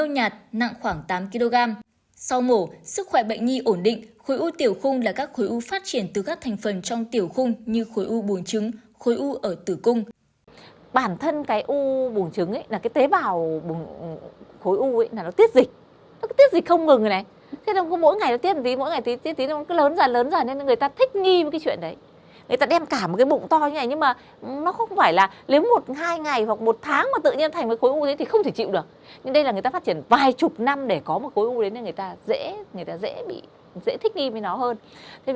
ngay sau khi nhận được thông tin này công an địa phương đã vào cuộc xác minh để làm rõ sự việc